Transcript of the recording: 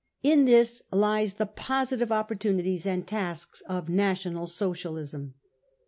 In this lie the positive opportunities and tasks of National Socialism